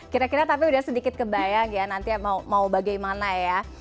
kira kira tapi udah sedikit kebayang ya nanti mau bagaimana ya